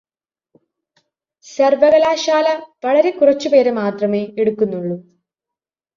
സർവകലാശാല വളരെ കുറച്ചുപേരെ മാത്രമേ എടുക്കുന്നുള്ളൂ